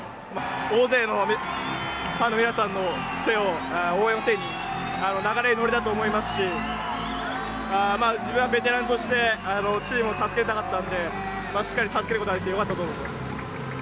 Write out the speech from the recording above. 大勢のファンの皆さんの応援を背に流れに乗れたと思いますし自分はベテランとしてチームを助けたかったのでしっかり助けることができてよかったと思います。